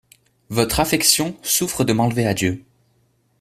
Votre affection souffre de m'enlever à Dieu.